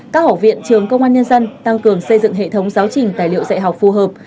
các học viện trường công an nhân dân tăng cường xây dựng hệ thống giáo trình tài liệu dạy học phù hợp